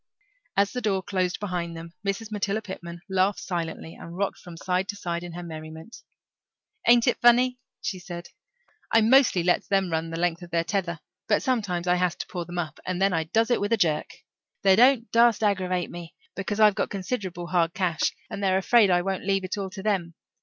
As the door closed behind them Mrs. Matilda Pitman laughed silently, and rocked from side to side in her merriment. "Ain't it funny?" she said. "I mostly lets them run the length of their tether, but sometimes I has to pull them up, and then I does it with a jerk. They don't dast aggravate me, because I've got considerable hard cash, and they're afraid I won't leave it all to them.